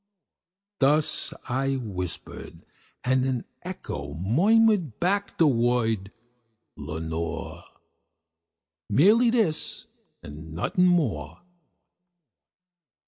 This I whispered, and an echo murmured back the word, "Lenore!" Merely this and nothing more.